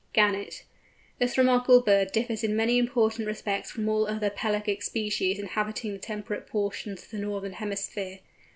GANNET. This remarkable bird differs in many important respects from all other pelagic species inhabiting the temperate portions of the northern hemisphere.